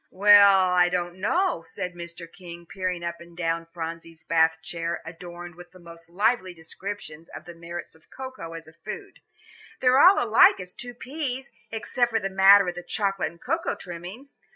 "Well, I don't know," said Mr. King, peering up and down Phronsie's Bath chair adorned with the most lively descriptions of the merits of cocoa as a food; "they're all alike as two peas, except for the matter of the chocolate and cocoa trimmings.